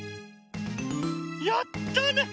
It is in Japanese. やったね。